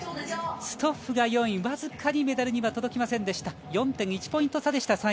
ストッフが４位わずかにメダルには届きませんでした４．１ポイント差でした。